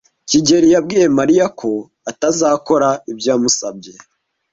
kigeli yabwiye Mariya ko atazakora ibyo yamusabye.